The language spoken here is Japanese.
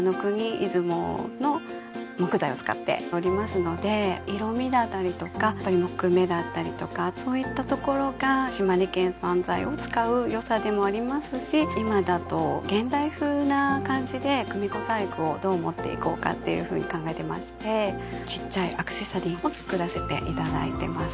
出雲の木材を使っておりますので色味だったりとか木目だったりとかそういったところが島根県産材を使う良さでもありますし今だと現代風な感じで組子細工をどうもっていこうかっていうふうに考えてましてちっちゃいアクセサリーを作らせていただいてます